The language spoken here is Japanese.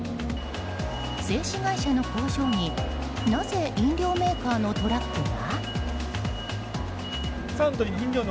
製紙会社の工場になぜ、飲料メーカーのトラックが？